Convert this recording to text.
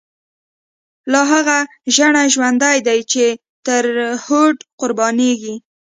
لاهغه ژڼی ژوندی دی، چی ترهوډه قربانیږی